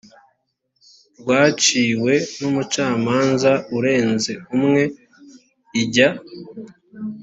rwaciwe n umucamanza urenze umwe ijya